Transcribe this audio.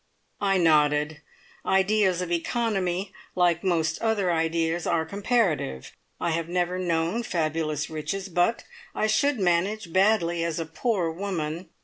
I nodded. Ideas of economy, like most other ideas, are comparative. I have never known fabulous riches, but I should manage badly as a poor woman.